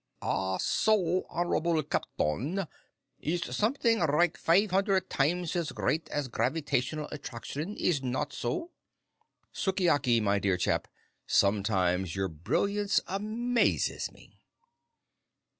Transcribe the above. "Ah, so, honorabu copton! Is somesing rike five hundred times as great as gravitationar attraction, is not so?" "Sukiyaki, my dear chap, sometimes your brilliance amazes me."